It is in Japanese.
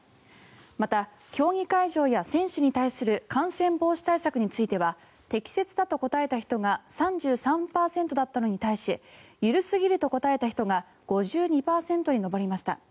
また、競技会場や選手に関する感染防止対策については適切だと答えた人が３３％だったのに対し緩すぎると答えた人が５２％に上りました。